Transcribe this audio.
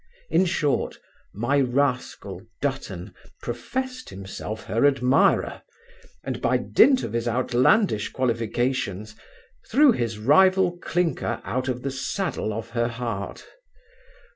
In short, my rascal Dutton professed himself her admirer, and, by dint of his outlandish qualifications, threw his rival Clinker out of the saddle of her heart.